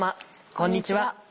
こんにちは。